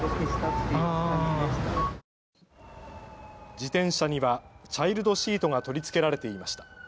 自転車にはチャイルドシートが取り付けられていました。